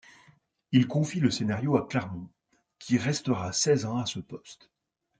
Il confie le scénario à Claremont qui restera seize ans à ce poste.